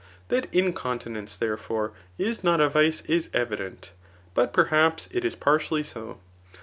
That incontinence, therefore, is not a vice is evident ; but perhaps it is partially so.